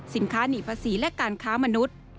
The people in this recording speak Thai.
สินค้าหนีภาษีและการค้ามนุษย์